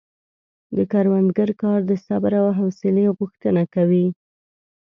د کروندګر کار د صبر او حوصلې غوښتنه کوي.